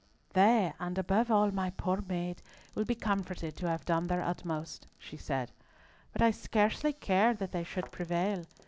"They, and above all my poor maid, will be comforted to have done their utmost," she said; "but I scarcely care that they should prevail.